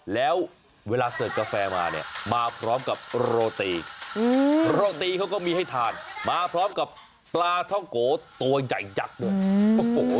แล้วเวลาเสิร์ฟกาแฟมาเนี่ยมาพร้อมกับโรตีโรตีเขาก็มีให้ทานมาพร้อมกับปลาท่องโกตัวใหญ่ยักษ์ด้วยโอ้โห